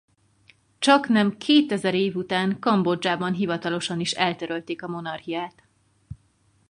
Csaknem kétezer év után Kambodzsában hivatalosan is eltörölték a monarchiát.